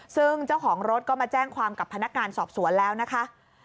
ซึ่งเจ้าของรถก็มาแจ้งความกับพนักงานสอบสวนแล้วนะคะ